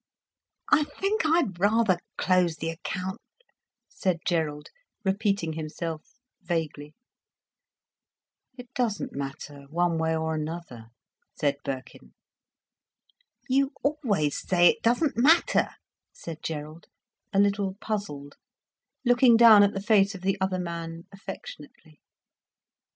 "I think I'd rather close the account," said Gerald, repeating himself vaguely. "It doesn't matter one way or another," said Birkin. "You always say it doesn't matter," said Gerald, a little puzzled, looking down at the face of the other man affectionately.